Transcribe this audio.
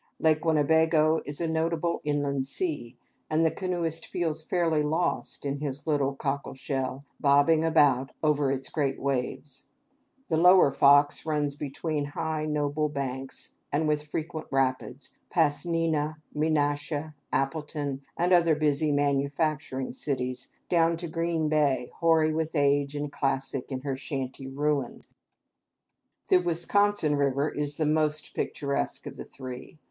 Lake Winnebago is a notable inland sea, and the canoeist feels fairly lost, in his little cockle shell, bobbing about over its great waves. The lower Fox runs between high, noble banks, and with frequent rapids, past Neenah, Menasha, Appleton, and other busy manufacturing cities, down to Green Bay, hoary with age and classic in her shanty ruins. The Wisconsin River is the most picturesque of the three.